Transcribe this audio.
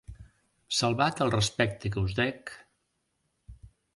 Salvat el respecte que us dec...